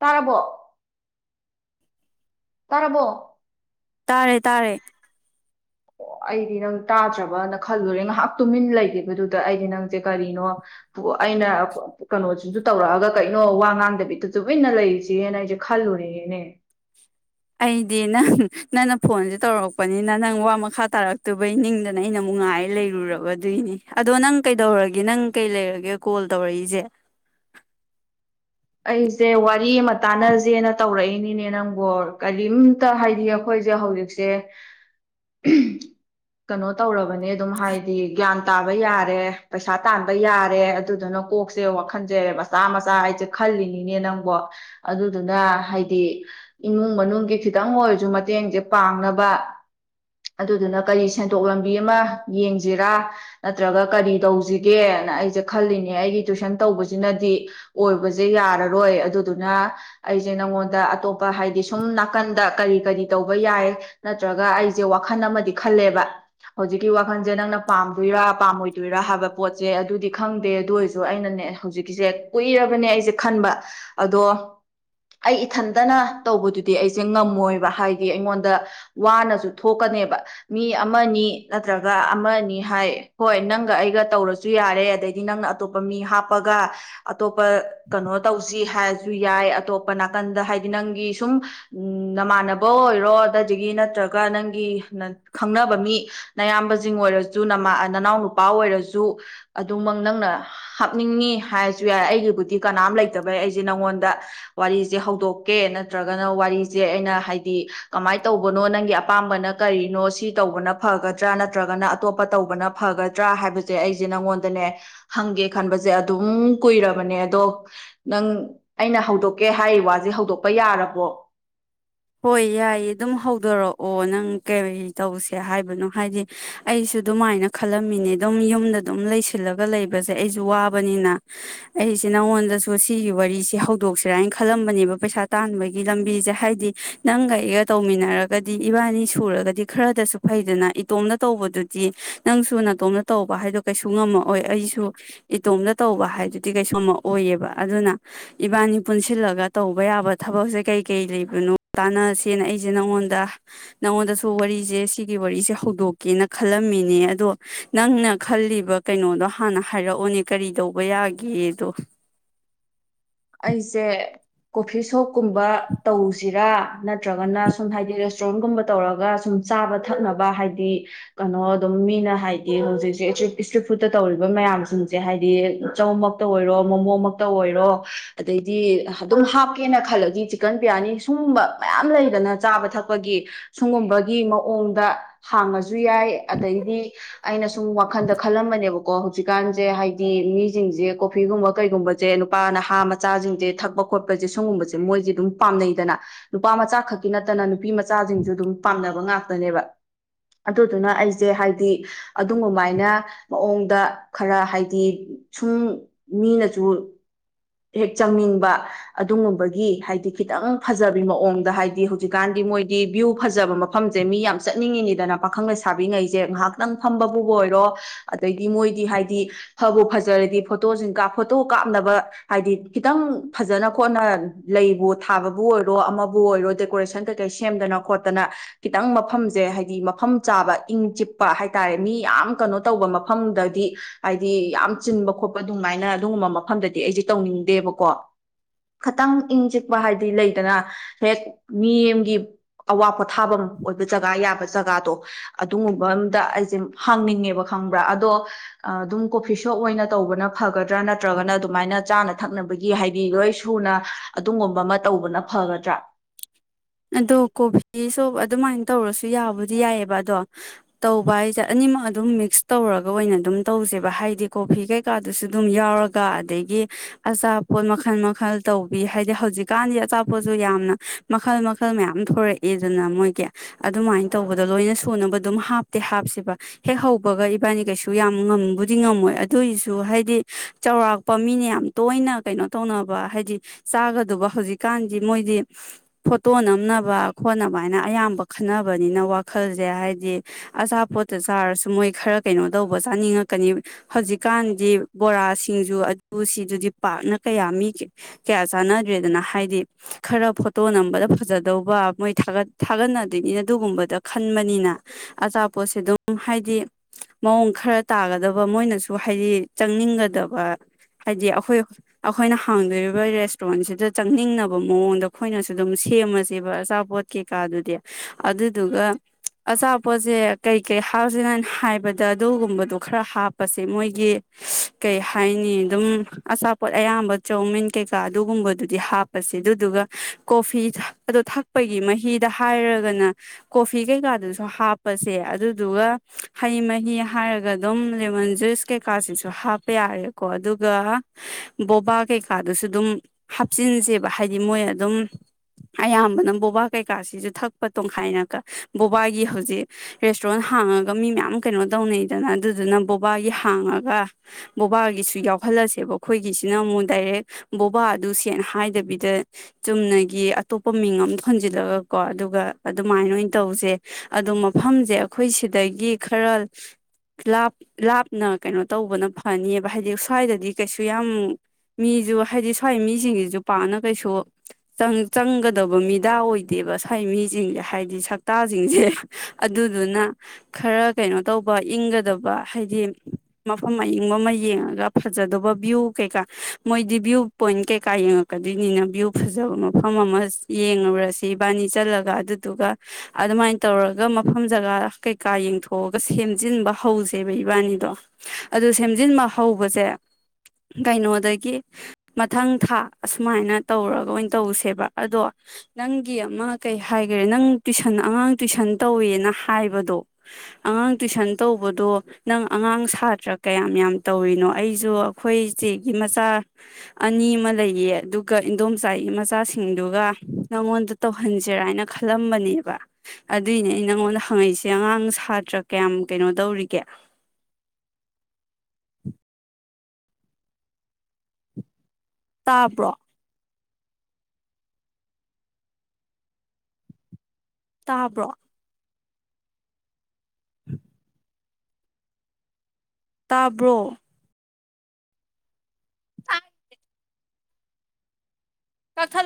ꯇꯥꯔꯕꯣ ꯇꯥꯔꯕꯣ ꯇꯥꯔꯦ ꯇꯥꯔꯦ ꯑꯣ ꯑꯩꯗꯤ ꯅꯪ ꯇꯥꯗ꯭ꯔꯕꯅ ꯈꯜꯂꯨꯔꯦ ꯉꯥꯏꯍꯥꯛ ꯇꯨꯃꯤꯟꯅ ꯂꯩꯒꯦꯕꯗꯨꯗ ꯑꯩꯗꯤ ꯅꯪꯁꯦ ꯀꯔꯤꯅꯣ ꯑꯩꯅ ꯀꯩꯅꯣꯁꯤꯡꯁꯨ ꯇꯧꯔꯛꯑꯒ ꯀꯩꯅꯣ ꯋꯥ ꯉꯥꯡꯗꯕꯤꯗ ꯇꯨꯃꯤꯟꯅ ꯂꯩꯔꯤꯁꯦꯅ ꯑꯩꯁꯦ ꯈꯜꯂꯨꯔꯦꯅꯦ ꯑꯩꯗꯤ ꯅꯪ ꯅꯪꯅ ꯐꯣꯟꯁꯦ ꯇꯧꯔꯛꯄꯅꯤꯅ ꯅꯪ ꯋꯥ ꯃꯈꯥ ꯇꯥꯔꯛꯇꯕꯩ ꯅꯤꯡꯗꯅ ꯑꯩꯅ ꯑꯃꯨꯛ ꯉꯥꯏꯔ ꯂꯩꯔꯨꯔꯕꯗꯨꯣꯏꯅꯤ ꯑꯗꯣ ꯅꯪ ꯀꯩꯗꯧꯔꯒꯦ ꯅꯪ ꯀꯩ ꯂꯩꯔꯒꯦ ꯀꯣꯜ ꯇꯧꯔꯛꯏꯁꯦ ꯑꯩꯁꯦ ꯋꯥ ꯋꯥꯔꯤꯔꯤ ꯑꯃ ꯇꯥꯟꯅꯁꯦꯅ ꯇꯧꯔꯛꯏꯅꯦ ꯅꯦ ꯅꯪꯕꯨꯣ ꯀꯔꯤꯝꯇ ꯍꯥꯏꯗꯤ ꯑꯩꯈꯣꯏꯁꯦ ꯍꯧꯖꯤꯛꯁꯦ ꯀꯩꯅꯣ ꯇꯧꯔꯕꯅꯦ ꯑꯗꯨꯝ ꯍꯥꯏꯗꯤ ꯒ꯭ꯌꯥꯟ ꯇꯥꯕ ꯌꯥꯔꯦ ꯄꯩꯁꯥ ꯇꯥꯟꯕ ꯌꯥꯔꯦ ꯑꯗꯨꯗꯨꯅ ꯀꯣꯛꯁꯦ ꯋꯥꯈꯟꯁꯦ ꯃꯆꯥ ꯃꯆꯥ ꯍꯥꯏꯦꯠ ꯈꯜꯂꯤꯅꯤꯅꯦ ꯅꯪꯕꯣ ꯑꯗꯨꯗꯨꯅ ꯍꯥꯏꯗꯤ ꯏꯃꯨꯡ ꯃꯅꯨꯡꯒꯤ ꯈꯤꯇꯪ ꯑꯣꯏꯔꯁꯨ ꯃꯇꯦꯡꯁꯦ ꯄꯥꯡꯅꯕ ꯑꯗꯨꯗꯨꯅ ꯀꯔꯤ ꯁꯦꯟꯊꯣꯛ ꯂꯝꯕꯤ ꯑꯃ ꯌꯦꯡꯁꯤꯔꯥ ꯅꯠꯇ꯭ꯔꯒ ꯀꯔꯤ ꯇꯧꯁꯤꯒꯦꯅ ꯑꯩꯁꯦ ꯈꯜꯂꯤꯅꯦ ꯑꯩꯒꯤ ꯇꯨꯏꯁꯟ ꯇꯧꯕꯁꯤꯅꯗꯤ ꯑꯣꯏꯕ ꯇꯁꯦ ꯌꯥꯔꯔꯣꯏ ꯑꯗꯨꯗꯨꯅ ꯑꯩꯁꯦ ꯅꯉꯣꯟꯗ ꯑꯇꯣꯞꯄ ꯍꯥꯏꯗꯤ ꯁꯨꯝ ꯅꯥꯀꯟꯗ ꯀꯔꯤ ꯀꯔꯤ ꯇꯧꯕ ꯌꯥꯏ ꯅꯠꯇ꯭ꯔꯒ ꯑꯩꯁꯦ ꯋꯥꯈꯜ ꯑꯃꯗꯤ ꯈꯜꯂꯦꯕ ꯍꯧꯖꯤꯛꯀꯤ ꯋꯥꯈꯜꯁꯦ ꯅꯪꯅ ꯄꯥꯝꯗꯣꯏꯔꯥ ꯄꯥꯝꯃꯣꯏꯗꯣꯏꯔꯥ ꯍꯥꯏꯕ ꯄꯣꯠꯁꯦ ꯑꯗꯨꯗꯤ ꯈꯪꯗꯦ ꯑꯗꯨ ꯑꯣꯏꯔꯁꯨ ꯑꯩꯅꯅꯦ ꯍꯧꯖꯤꯛꯀꯤꯁꯦꯏ ꯍꯥꯏꯅꯦ ꯑꯩꯁꯦ ꯈꯟꯕ ꯑꯗꯣ ꯑꯩ ꯏꯊꯟꯇꯅ ꯇꯧꯕꯗꯨꯗꯤ ꯑꯩꯁꯦ ꯉꯝꯃꯣꯏꯕ ꯍꯥꯏꯗꯤ ꯑꯩꯉꯣꯟꯗ ꯋꯥꯅꯁꯨ ꯊꯣꯛꯀꯅꯦꯕ ꯃꯤ ꯑꯃꯅꯤ ꯅꯠꯇ꯭ꯔꯒ ꯑꯃꯅꯤ ꯍꯥꯏ ꯍꯣꯏ ꯅꯪꯒ ꯑꯩꯒ ꯇꯧꯔꯁꯨ ꯌꯥꯔꯦ ꯑꯗꯩꯗꯤ ꯅꯪꯅ ꯑꯇꯣꯞꯄ ꯃꯤ ꯍꯥꯞꯄꯒ ꯑꯇꯣꯞ ꯑꯇ ꯀꯩꯅꯣ ꯇꯧꯁꯤ ꯍꯥꯏꯔꯁꯨ ꯌꯥꯏ ꯑꯇꯣꯞꯄ ꯅꯥꯀꯟꯗ ꯍꯥꯏꯗꯤ ꯅꯪꯒꯤ ꯁꯨꯝ ꯅꯃꯥꯟꯅꯕ ꯑꯣꯏꯔꯣ ꯑꯗꯒꯤ ꯅꯠꯇ꯭ꯔꯒ ꯅꯪꯒꯤ ꯈꯪꯅꯕ ꯃꯤ ꯅꯌꯥꯝꯕꯁꯤꯡ ꯑꯣꯏꯔꯁꯨ ꯅꯅꯥꯎꯅ ꯅꯨꯄꯥ ꯑꯣꯏꯔꯁꯨ ꯑꯗꯨꯃꯛ ꯅꯪꯅ ꯍꯥꯞꯅꯤꯡꯉꯤ ꯍꯥꯏꯔꯁꯨ ꯌꯥꯏ ꯑꯩꯒꯤ ꯕꯨꯗꯤ ꯀꯅꯥꯝ ꯂꯩꯇꯕꯩ ꯑꯩꯁꯦ ꯅꯪꯉꯣꯟꯗ ꯋꯥꯔꯤꯁꯦ ꯍꯧꯗꯣꯛꯀꯦ ꯅꯠꯇ꯭ꯔꯒꯅ ꯋꯥꯔꯤꯁꯦ ꯑꯩꯅ ꯍꯥꯏꯗꯤ ꯀꯃꯥꯏꯅ ꯇꯧꯕꯅꯣ ꯅꯪꯒꯤ ꯑꯄꯥꯝꯕꯅ ꯀꯔꯤꯅꯣ ꯁꯤ ꯇꯧꯕꯅ ꯐꯒꯗ꯭ꯔꯥ ꯅꯠꯇ꯭ꯔꯒꯅ ꯑꯇꯣꯞꯄ ꯇꯧꯕꯅ ꯐꯒꯗ꯭ꯔꯥ ꯍꯥꯏꯕꯁꯦ ꯑꯩꯁꯦ ꯅꯪꯉꯣꯟꯗꯅꯦ ꯍꯪꯒꯦ ꯈꯟꯕꯁꯦ ꯑꯗꯨꯝ ꯀꯨꯏꯔꯕꯅꯦ ꯑꯗꯣ ꯅꯪ ꯑꯩꯅ ꯍꯧꯗꯣꯛꯀꯦ ꯍꯥꯏ ꯋꯥꯁꯦ ꯍꯧꯗꯣꯛꯄ ꯌꯥꯔꯕꯣ ꯍꯣꯏ ꯌꯥꯏꯌꯦ ꯑꯗꯨꯝ ꯍꯧꯗꯣꯔꯛꯑꯣ ꯅꯪ ꯀꯔꯤ ꯇꯧꯁꯦ ꯍꯥꯏꯕꯅꯣ ꯍꯥꯏꯗꯤ ꯑꯩꯁꯨ ꯑꯗꯨꯃꯥꯏꯅ ꯈꯜꯂꯝꯃꯤꯅꯦ ꯑꯗꯨꯝ ꯌꯨꯝꯗ ꯑꯗꯨꯝ ꯂꯩꯁꯤꯜꯂꯒ ꯂꯩꯕꯁꯦ ꯑꯩꯁꯨ ꯋꯥꯕꯅꯤꯅ ꯑꯩꯁꯦ ꯅꯉꯣꯟꯗꯁꯨ ꯁꯤꯒꯤ ꯋꯥꯔꯤꯁꯤꯦ ꯍꯧꯗꯣꯛꯁꯤꯔꯥ ꯍꯥꯏꯅ ꯈꯜꯂꯝꯕꯅꯦꯕ ꯄꯩꯁꯥ ꯇꯥꯟꯕꯒꯤ ꯂꯝꯕꯤꯁꯦ ꯍꯥꯏꯗꯤ ꯅꯪꯒ ꯑꯩꯒ ꯇꯧꯃꯤꯟꯅꯔꯒꯗꯤ ꯏꯕꯥꯅꯤ ꯁꯨꯔꯒꯗꯤ ꯈꯔꯗꯁꯨ ꯐꯩꯗꯅ ꯏꯇꯣꯝꯅ ꯇꯧꯕꯗꯨꯗꯤ ꯅꯪꯁꯨ ꯅꯥꯇꯣꯝꯅ ꯇꯧꯕ ꯍꯥꯏꯗꯣ ꯀꯩꯁꯨ ꯉꯝꯃꯛꯑꯣꯏ ꯑꯩꯁꯨ ꯏꯇꯣꯝꯅ ꯇꯧꯕ ꯍꯥꯏꯗꯨꯗꯤ ꯀꯩꯁꯨꯝꯃꯛꯑꯣꯏꯑꯕ ꯑꯗꯨꯅ ꯏꯕꯥꯅꯤ ꯄꯨꯟꯁꯤꯜꯂꯒ ꯇꯧꯕ ꯌꯥꯕ ꯊꯕꯛꯁꯦ ꯀꯩ ꯀꯩ ꯂꯩꯕꯅꯣ ꯇꯥꯅꯁꯦꯅ ꯑꯩꯁꯦ ꯅꯪꯉꯣꯟꯗ ꯅꯪꯉꯣꯟꯗꯁꯨ ꯋꯥꯔꯤꯁꯦ ꯁꯤꯒꯤ ꯋꯥꯔꯤꯁꯦ ꯍꯧꯗꯣꯛꯀꯦꯅ ꯈꯜꯂꯝꯃꯤꯅꯦ ꯑꯗꯣ ꯅꯪꯅ ꯈꯜꯂꯤꯕ ꯀꯩꯅꯣꯗꯣ ꯍꯥꯟꯅ ꯍꯥꯏꯔꯛꯑꯣꯅꯦ ꯀꯔꯤ ꯇꯧꯕ ꯌꯥꯒꯦꯗꯣ ꯑꯩꯁꯦ ꯀꯣꯐꯤ ꯁꯣꯞꯀꯨꯝꯕ ꯇꯧꯁꯤꯔꯥ ꯅꯠꯇ꯭ꯔꯒꯅ ꯁꯨꯝ ꯍꯥꯏꯗꯤ ꯔꯦꯁꯇꯨꯔꯦꯟꯒꯨꯝꯕ ꯇꯧꯔꯒ ꯁꯨꯝ ꯆꯥꯕ ꯊꯛꯅꯕ ꯍꯥꯏꯗꯤ ꯀꯩꯅꯣ ꯑꯗꯨꯝ ꯃꯤꯅ ꯍꯥꯏꯗꯤ ꯍꯧꯖꯤꯛꯁꯦ ꯏꯁꯇ꯭ꯔꯤꯠ ꯐꯨꯗꯠꯇ ꯇꯧꯔꯤꯕ ꯃꯌꯥꯝꯁꯤꯡꯁꯦ ꯍꯥꯏꯗꯤ ꯆꯧꯃꯛꯇ ꯑꯣꯏꯔꯣ ꯃꯣꯃꯣꯃꯛꯇ ꯑꯣꯏꯔꯣ ꯑꯗꯩ ꯑꯗꯨꯝ ꯍꯥꯞꯀꯦꯅ ꯈꯜꯂ ꯆꯤꯛꯀꯟ ꯄꯕꯤꯔꯌꯥꯅꯤ ꯁꯒꯨꯝꯕ ꯃꯌꯥꯝ ꯂꯩꯗꯅ ꯆꯥꯕ ꯊꯛꯄꯒꯤ ꯁꯨꯒꯨꯝꯕꯒꯤ ꯃꯑꯣꯡꯗ ꯍꯥꯡꯉꯁꯨ ꯌꯥꯏ ꯑꯗꯩꯗꯤ ꯑꯩꯅ ꯁꯨꯝ ꯋꯥꯈꯟꯗ ꯈꯜꯂꯝꯕꯅꯦꯕꯀꯣ ꯍꯧꯖꯤꯛꯀꯥꯟꯁꯦ ꯍꯥꯏꯗꯤ ꯃꯤꯁꯤꯡꯁꯦ ꯀꯣꯐꯤꯒꯨꯝꯕ ꯀꯩꯒꯨꯝꯕꯁꯦ ꯅꯨꯄꯥꯅ ꯍꯥ ꯃꯆꯥꯁꯤꯡꯁꯦ ꯊꯛꯄ ꯈꯣꯠꯄꯁꯦ ꯁꯒꯨꯝꯕꯁꯦ ꯃꯣꯏꯁꯦ ꯑꯗꯨꯝ ꯄꯥꯝꯅꯩꯗꯅ ꯅꯨꯄꯥ ꯃꯆꯥ ꯈꯛꯀꯤ ꯅꯠꯇꯅ ꯅꯨꯄꯤ ꯃꯆꯥꯁꯤꯡꯁꯨ ꯑꯗꯨꯝ ꯄꯥꯝꯅꯕ ꯉꯥꯛ ꯅꯦꯕ ꯑꯗꯨꯗꯨꯅ ꯑꯩꯁꯦ ꯍꯥꯏꯗꯤ ꯑꯗꯨꯃꯥꯏꯅ ꯃꯑꯣꯡꯗ ꯈꯔ ꯍꯥꯏꯗꯤ ꯁꯨꯝ ꯃꯤꯅꯁꯨ ꯍꯦꯛ ꯆꯪꯅꯤꯡꯕ ꯑꯗꯨꯒꯨꯝꯕꯒꯤ ꯍꯥꯏꯗꯤ ꯈꯤꯇꯪ ꯐꯖꯕꯤ ꯃꯑꯣꯡꯗ ꯍꯥꯏꯗꯤ ꯍꯧꯖꯤꯛꯀꯥꯟꯗꯤ ꯃꯣꯏꯗꯤ ꯚ꯭ꯌꯨ ꯐꯖꯕ ꯃꯐꯝꯁꯦ ꯃꯤ ꯌꯥꯝ ꯆꯠꯅꯤꯡꯉꯤꯅꯤꯗꯅ ꯄꯥꯈꯪꯅ ꯁꯥꯕꯤꯉꯩꯁꯦ ꯉꯥꯏꯍꯥꯛꯇꯪ ꯐꯝꯕꯕꯨ ꯑꯣꯏꯔꯣ ꯑꯗꯒꯤ ꯃꯣꯏꯗꯤ ꯍꯥꯏꯗꯤ ꯐꯕꯨ ꯐꯖꯔꯗꯤ ꯐꯣꯇꯣꯁꯤꯡ ꯀꯥꯞ ꯐꯣꯇꯣ ꯀꯥꯞꯅꯕ ꯍꯥꯏꯗꯤ ꯈꯤꯇꯪ ꯐꯖꯅ ꯈꯣꯠꯅ ꯂꯩꯕꯨ ꯊꯥꯕꯕꯨ ꯑꯣꯏꯔꯣ ꯑꯃꯕꯨ ꯑꯣꯏꯔꯣ ꯗꯦꯀꯣꯔꯦꯁꯟ ꯀꯩꯀꯩ ꯁꯦꯝꯗꯅ ꯈꯣꯠꯇꯅ ꯈꯤꯇꯪ ꯃꯐꯝꯁꯦ ꯍꯥꯏꯗꯤ ꯃꯐꯝ ꯆꯥꯕ ꯏꯪ ꯆꯤꯞꯄ ꯍꯥꯏꯇꯥꯔꯦ ꯃꯤ ꯌꯥꯝ ꯀꯩꯅꯣ ꯇꯧꯕ ꯃꯐꯝꯗꯗꯤ ꯍꯥꯏꯗꯤ ꯌꯥꯝ ꯆꯤꯟꯕ ꯈꯣꯠꯄ ꯑꯗꯨꯃꯥꯏꯅ ꯑꯗꯨꯒꯨꯝꯕ ꯃꯐꯝꯗꯗꯤ ꯑꯩꯁꯦ ꯇꯧꯅꯤꯡꯗꯦꯕꯀꯣ ꯈꯤꯇꯪ ꯏꯪ ꯆꯤꯛꯄ ꯍꯥꯏꯗꯤ ꯂꯩꯗꯅ ꯍꯦꯛ ꯃꯤ ꯑꯒꯤ ꯑꯋꯥ ꯄꯣꯊꯥꯐꯝ ꯑꯣꯏꯕ ꯖꯒꯥ ꯌꯥꯕ ꯖꯒꯥꯗꯣ ꯑꯗꯨꯒꯨꯝꯕ ꯑ ꯑꯃꯗ ꯑꯩꯁꯦ ꯍꯥꯡꯅꯤꯡꯉꯦꯕ ꯈꯪꯕ꯭ꯔꯥ ꯑꯗꯣ ꯑꯗꯨꯝ ꯀꯣꯐꯤ ꯁꯣꯞ ꯑꯣꯏꯅ ꯇꯧꯕꯅ ꯐꯒꯗ꯭ꯔꯥ ꯅꯠꯇ꯭ꯔꯒꯅ ꯑꯗꯨꯃꯥꯏꯅ ꯆꯥꯅ ꯊꯛꯅꯕꯒꯤ ꯍꯥꯏꯗꯤ ꯂꯣꯏ ꯁꯨꯅ ꯑꯗꯨꯒꯨꯝꯕ ꯑꯃ ꯇꯧꯕꯅ ꯐꯒꯗ꯭ꯔꯥ ꯑꯗꯣ ꯀꯣꯐꯤꯁꯨ ꯑꯗꯨꯃꯥꯏꯅ ꯇꯧꯔꯁꯨ ꯌꯥꯕꯨꯗꯤ ꯌꯥꯏꯑꯕ ꯑꯗꯣ ꯇꯧꯕ ꯍꯥꯏꯁꯦ ꯑꯅꯤꯃꯛ ꯑꯗꯨꯝ ꯃꯤꯛꯁ ꯇꯧꯔꯒ ꯑꯣꯏꯅ ꯑꯗꯨꯝ ꯇꯧꯁꯦꯕ ꯍꯥꯏꯗꯤ ꯀꯣꯐꯤ ꯀꯩꯀꯥꯗꯨꯁꯨ ꯑꯗꯨꯝ ꯌꯥꯎꯔꯒ ꯑꯗꯒꯤ ꯑꯆꯥꯄꯣꯠ ꯃꯈꯜ ꯃꯈꯜ ꯇꯧꯕꯤ ꯍꯥꯏꯗꯤ ꯍꯧꯖꯤꯛꯀꯥꯟꯗꯤ ꯑꯆꯥꯄꯣꯠꯁꯨ ꯌꯥꯝꯅ ꯃꯈꯜ ꯃꯈꯜ ꯃꯈꯜ ꯃꯌꯥꯝ ꯊꯣꯛꯣꯔꯛꯑꯦꯗꯅ ꯃꯣꯏꯒꯤ ꯑꯗꯨꯃꯥꯏꯅ ꯇꯧꯕꯗ ꯂꯣꯏꯅ ꯁꯨꯅꯕ ꯑꯗꯨꯝ ꯍꯥꯞꯇꯦ ꯍꯥꯞꯁꯤꯕ ꯍꯦꯛ ꯍꯧꯕꯒ ꯏꯕꯥꯅꯤ ꯀꯩꯁꯨ ꯌꯥꯝ ꯉꯝꯕꯨꯗꯤ ꯉꯝꯃꯣꯏ ꯑꯗꯨꯏꯁꯨ ꯍꯥꯏꯗꯤ ꯆꯥꯎꯔꯥꯛꯄ ꯃꯤꯅ ꯌꯥꯝ ꯇꯣꯏꯅ ꯀꯩꯅꯣ ꯇꯧꯅꯕ ꯍꯥꯏꯗꯤ ꯆꯥꯒꯗꯕ ꯍꯧꯖꯤꯛꯀꯥꯟꯗꯤ ꯃꯣꯏꯗꯤ ꯇꯣ ꯅꯝꯅꯕ ꯈꯣꯠꯅꯕ ꯍꯥꯏꯅ ꯑꯌꯥꯝꯕ ꯈꯟꯅꯕꯅꯤꯅ ꯋꯥꯈꯜꯁꯦ ꯍꯥꯏꯗꯤ ꯑꯆꯥꯄꯣꯠꯇ ꯆꯥꯔꯁꯨ ꯃꯣꯏ ꯈꯔ ꯀꯩꯅꯣ ꯇꯧꯕ ꯆꯥꯅꯤꯡꯉꯛꯀꯅꯤ ꯍꯧꯖꯤꯛꯀꯥꯟꯗꯤ ꯕꯣꯔꯥꯁꯤꯡꯁꯨ ꯑꯗꯨ ꯁꯤꯗꯨꯗꯤ ꯄꯥꯔꯛꯅ ꯀꯌꯥ ꯃꯤ ꯀꯌꯥ ꯆꯥꯅꯗ꯭ꯔꯦꯗꯅ ꯍꯥꯏꯗꯤ ꯈꯔ ꯐꯣꯇꯣ ꯅꯝꯕꯗ ꯐꯖꯗꯧꯕ ꯃꯣꯏ ꯊꯥꯒꯠꯅꯗꯣꯏꯅꯤꯅ ꯑꯗꯨꯒꯨꯝꯕꯗ ꯈꯟꯕꯅꯤꯅ ꯑꯆꯥꯄꯣꯠꯁꯦ ꯑꯗꯨꯝ ꯍꯥꯏꯗꯤ ꯃꯑꯣꯡ ꯈꯔ ꯇꯥꯒꯗꯕ ꯃꯣꯏꯅꯁꯨ ꯍꯥꯏꯗꯤ ꯆꯪꯅꯤꯡꯒꯗꯕ ꯍꯥꯏꯗꯤ ꯑꯩꯈꯣꯏ ꯑꯩꯈꯣꯏꯅ ꯍꯥꯡꯗꯣꯔꯤꯕ ꯔꯦꯁꯇꯨꯔꯦꯟꯁꯤꯗ ꯆꯪꯅꯤꯡꯅꯕ ꯃꯑꯣꯡꯗ ꯑꯩꯈꯣꯏꯅꯁꯨ ꯑꯗꯨꯝ ꯁꯦꯝꯃꯁꯦꯕ ꯑꯆꯥꯄꯣꯠ ꯀꯩꯀꯥꯗꯨꯗꯤ ꯑꯗꯨꯗꯨꯒ ꯑꯆꯥꯄꯣꯠꯁꯦ ꯀꯩ ꯀꯩ ꯍꯥꯞꯁꯅꯅ ꯍꯥꯏꯕꯗ ꯑꯗꯨꯒꯨꯝꯕꯗꯣ ꯈꯔ ꯍꯥꯞꯄꯁꯦ ꯃꯣꯏꯒꯤ ꯀꯩ ꯍꯥꯏꯅꯤ ꯑꯗꯨꯝ ꯑꯆꯥꯄꯣꯠ ꯑꯌꯥꯝꯕ ꯆꯧꯃꯤꯟ ꯀꯩꯀꯥ ꯑꯗꯨꯒꯨꯝꯕꯗꯨꯗꯤ ꯍꯥꯞꯄꯁꯦ ꯑꯗꯨꯗꯨꯒ ꯀꯣꯐꯤ ꯑꯗꯣ ꯊꯛꯄꯒꯤ ꯃꯍꯤꯗ ꯍꯥꯏꯔꯒꯅ ꯀꯣꯐꯤ ꯀꯩꯀꯥꯗꯨꯁꯨ ꯍꯥꯞꯄꯁꯦ ꯑꯗꯨꯗꯨꯒ ꯍꯩ ꯃꯍꯤ ꯍꯥꯏꯔꯒ ꯑꯗꯨꯝ ꯂꯦꯃꯟ ꯖꯨꯏꯁ ꯀꯩꯀꯥꯁꯤꯁꯨ ꯍꯥꯞꯄ ꯌꯥꯔꯦꯀꯣ ꯑꯗꯨꯒ ꯕꯣꯕꯥ ꯀꯩꯀꯥꯗꯨꯁꯨ ꯑꯗꯨꯝ ꯍꯥꯞꯆꯤꯟꯁꯦꯕ ꯍꯥꯏꯗꯤ ꯃꯣꯏ ꯑꯗꯨꯝ ꯑꯌꯥꯝꯕꯅ ꯕꯣꯕꯥ ꯀꯩꯀꯥꯁꯤꯁꯨ ꯊꯛꯄ ꯇꯣꯡꯈꯥꯏꯅꯒ ꯕꯣꯕꯥꯒꯤ ꯍꯧꯖꯤꯛ ꯔꯦꯁꯇꯨꯔꯦꯟ ꯍꯥꯡꯉꯒ ꯃꯤ ꯃꯌꯥꯝ ꯀꯩꯅꯣ ꯇꯧꯅꯩꯗꯅ ꯑꯗꯨꯗꯨꯅ ꯕꯣꯕꯥꯒꯤ ꯍꯥꯡꯉꯒ ꯕꯣꯕꯥꯒꯤꯁꯨ ꯌꯥꯎꯍꯜꯂꯁꯦꯕ ꯑꯩꯈꯣꯏꯒꯤꯁꯤꯅ ꯑꯃꯨꯛ ꯗꯥꯏꯔꯦꯛ ꯕꯣꯕꯥꯗꯨ ꯁꯦꯡꯅ ꯍꯥꯏꯗꯕꯤꯗ ꯆꯨꯝꯅꯒꯤ ꯑꯇꯣꯞꯄ ꯃꯤꯡ ꯑꯃ ꯊꯣꯟꯖꯤꯜꯂꯒꯀꯣ ꯑꯗꯨꯒ ꯑꯗꯨꯃꯥꯏꯅ ꯑꯣꯏꯅ ꯇꯧꯁꯦ ꯑꯗꯣ ꯃꯐꯝꯁꯦ ꯑꯩꯈꯣꯏ ꯁꯤꯗꯒꯤ ꯈꯔꯥꯞ ꯂꯥꯞꯅ ꯀꯩꯅꯣ ꯇꯧꯕꯅ ꯐꯅꯤꯕ ꯍꯥꯏꯗꯤ ꯁ꯭ꯋꯥꯏꯗꯗꯤ ꯀꯩꯁꯨ ꯌꯥꯝ ꯃꯤꯁꯨ ꯍꯥꯏꯗꯤ ꯁ꯭ꯋꯥꯏ ꯃꯤꯁꯤꯡꯁꯤꯁꯨ ꯄꯥꯅ ꯀꯩꯁꯨ ꯆꯪ ꯆꯪꯒꯗꯕ ꯃꯤꯗꯥ ꯑꯣꯏꯗꯦꯕ ꯁꯥꯏ ꯃꯤꯁꯤꯡꯁꯦ ꯍꯥꯏꯗꯤ ꯁꯛꯇꯇꯥꯁꯤꯡꯁꯦ ꯑꯗꯨꯗꯨꯅ ꯈꯔ ꯀꯩꯅꯣ ꯇꯧꯕ ꯏꯪꯒꯗꯕ ꯍꯥꯏꯗꯤ ꯃꯐꯝ ꯑꯏꯪꯕ ꯑꯃ ꯌꯦꯡꯉꯒ ꯐꯖꯗꯕ ꯚ꯭ꯌꯨ ꯀꯩꯀꯥ ꯃꯣꯏꯗꯤ ꯚ꯭ꯌꯨ ꯄꯣꯏꯟꯠ ꯀꯩꯀꯥ ꯌꯦꯡꯉꯛꯀꯗꯣꯏꯅꯤꯅ ꯚ꯭ꯌꯨ ꯐꯖꯕ ꯃ ꯃꯐꯝ ꯑꯃ ꯌꯦꯡꯉꯨꯔꯁꯤ ꯏꯕꯥꯅꯤ ꯆꯠꯂꯒ ꯑꯗꯨꯗꯨꯒ ꯑꯗꯨꯃꯥꯏꯅ ꯇꯧꯔꯒ ꯃꯐꯝ ꯖꯒꯥ ꯀꯩꯀꯥ ꯌꯦꯡꯊꯣꯛꯑꯒ ꯁꯦꯝꯖꯤꯟꯕ ꯍꯧꯁꯦꯕ ꯏꯕꯥꯅꯤꯗꯣ ꯑꯗꯨ ꯁꯦꯝꯖꯤꯟꯕ ꯍꯧꯕꯁꯦ ꯀꯩꯅꯣꯗꯒꯤ ꯃꯊꯪ ꯊꯥ ꯑꯁꯨꯃꯥꯏꯅ ꯇꯧꯔꯒ ꯑꯣꯏꯅ ꯇꯧꯁꯦꯕ ꯑꯗꯣ ꯅꯪꯒꯤ ꯑꯃ ꯀꯩ ꯍꯥꯏꯈꯔꯦ ꯅꯪ ꯇꯨꯏꯁꯟ ꯑꯉꯥꯡ ꯇꯨꯏꯁꯟ ꯇꯧꯋꯦꯅ ꯍꯥꯏꯕꯗꯣ ꯑꯉꯥꯡ ꯇꯨꯏꯁꯟ ꯇꯧꯕꯗꯣ ꯅꯪ ꯑꯉꯥꯡ ꯁꯥꯇ꯭ꯔ ꯀꯌꯥꯝ ꯌꯥꯝ ꯇꯧꯔꯤꯅꯣ ꯑꯩꯁꯨ ꯑꯩꯈꯣꯏ ꯏꯆꯦꯒꯤ ꯃꯆꯥ ꯑꯅꯤ ꯑꯃ ꯂꯩꯌꯦ ꯑꯗꯨꯒ ꯏꯟꯗꯣꯝꯆꯥ ꯃꯆꯥꯁꯤꯡꯗꯨꯒ ꯅꯪꯉꯣꯟꯗ ꯇꯧꯍꯟꯁꯦꯔꯥ ꯍꯥꯏꯅ ꯈꯜꯂꯝꯕꯅꯦꯕ ꯑꯗꯨꯏꯅꯦ ꯑꯩ ꯅꯪꯉꯣꯟꯗ ꯍꯪꯉꯛꯏꯁꯦ ꯑꯉꯥꯡ ꯁꯥꯇ꯭ꯔ ꯀꯌꯥꯝ ꯀꯩꯅꯣ ꯇꯧꯔꯤꯒꯦ ꯇꯥꯕ꯭ꯔꯣ ꯇꯥꯕ꯭ꯔꯣ ꯎ ꯇꯥꯕ꯭ꯔꯣ ꯊ ꯀꯊꯪ